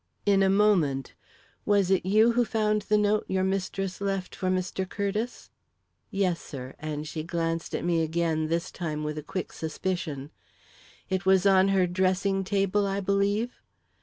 "In a moment. Was it you who found the note your mistress left for Mr. Curtiss?" "Yes, sir," and she glanced at me again, this time with a quick suspicion. "It was on her dressing table, I believe?"